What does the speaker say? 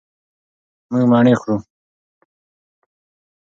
مونږ مڼې خورو.